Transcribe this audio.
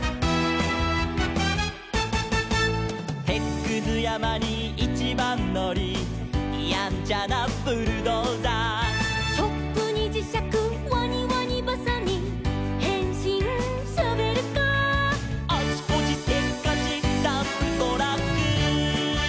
「てつくずやまにいちばんのり」「やんちゃなブルドーザー」「チョップにじしゃくワニワニばさみ」「へんしんショベルカー」「あちこちせっかちダンプトラック」